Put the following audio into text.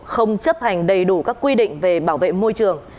không chấp hành đầy đủ các quy định về bảo vệ môi trường